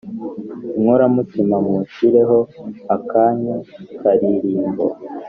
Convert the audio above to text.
inkoramutima mushireho akanyu karirimbo